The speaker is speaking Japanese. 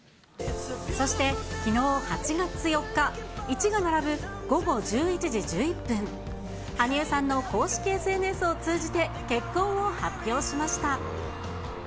そして、きのう８月４日、１が並ぶ午後１１時１１分、羽生さんの公式ＳＮＳを通じて、結婚を発表しました。